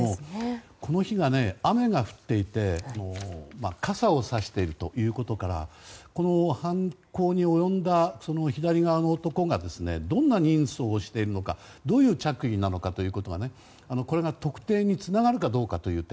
この日が雨が降っていて傘をさしているということからこの犯行に及んだ左側の男がどんな人相をしているのかどういう着衣なのかということがこれが特定につながるかどうかという点。